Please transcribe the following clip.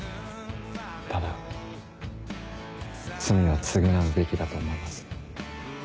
ただ罪は償うべきだと思います。